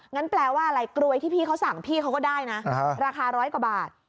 แปลว่าอะไรกรวยที่พี่เขาสั่งพี่เขาก็ได้นะราคาร้อยกว่าบาท